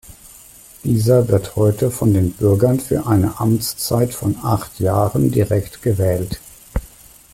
Dieser wird heute von den Bürgern für eine Amtszeit von acht Jahren direkt gewählt.